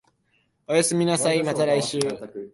おやすみなさい、また来週